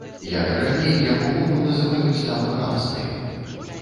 Як і раней, яго мову называюць там хамскай.